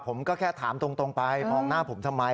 ผมก็แค่ถามตรงไปมองหน้าผมทำไม